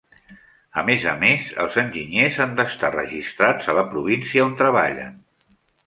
A més a més, els enginyers han d'estar registrats a la província on treballen.